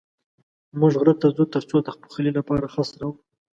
موږ غره ته ځو تر څو د پخلي لپاره خس راوړو.